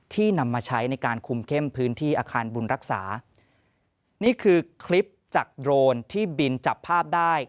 นำมาใช้ในการคุมเข้มพื้นที่อาคารบุญรักษานี่คือคลิปจากโดรนที่บินจับภาพได้